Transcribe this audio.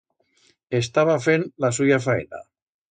Estaba fend la suya faena.